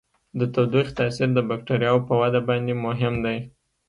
د تودوخې تاثیر د بکټریاوو په وده باندې مهم دی.